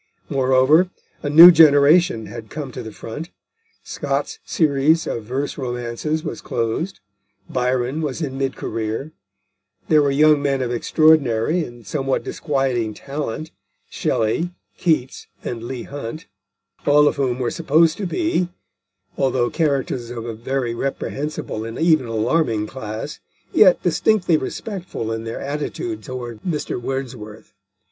Moreover, a new generation had come to the front; Scott's series of verse romances was closed; Byron was in mid career; there were young men of extraordinary and somewhat disquieting talent Shelley, Keats, and Leigh Hunt all of whom were supposed to be, although characters of a very reprehensible and even alarming class, yet distinctly respectful in their attitude towards Mr. Wordsworth.